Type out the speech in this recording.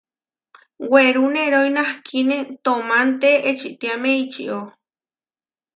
Werú nerói nahkíne toománte ečitiáme ičió.